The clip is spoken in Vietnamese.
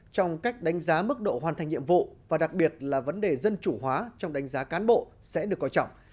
trong cách đánh giá mức độ hoàn thành nhiệm vụ và đặc biệt là vấn đề dân chủ hóa trong đánh giá cán bộ sẽ được coi trọng